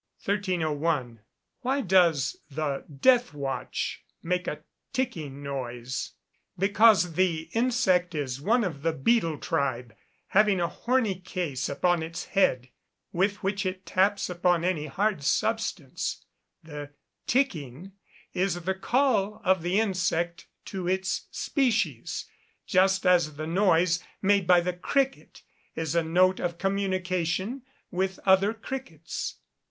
1301. Why does the "death watch" make a ticking noise? Because the insect is one of the beetle tribe, having a horny case upon its head, with which it taps upon any hard substance, the ticking is the call of the insect to its species, just as the noise made by the cricket is a note of communication with other crickets.